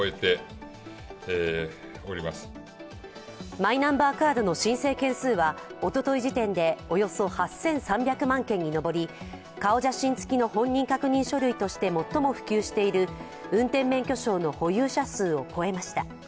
マイナンバーカードの申請件数はおととい時点でおよそ８３００万件に上り顔写真つきの本人確認書類として最も普及している運転免許証の保有者数を超えました。